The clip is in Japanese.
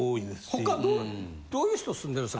他どういう人住んでるんです？